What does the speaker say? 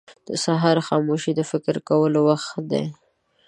• د سهار خاموشي د فکر کولو وخت دی.